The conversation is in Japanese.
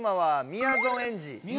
みやぞんエンジ。